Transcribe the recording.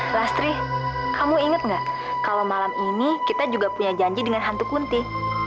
lastri kamu ingat nggak kalau malam ini kita juga punya janji dengan hantu kunti